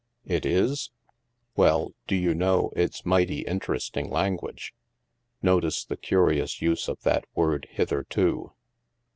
It is ? Well, do you know, it's mighty interest ing language. Notice the curious use of that word * hitherto.'